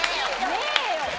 ねえよ。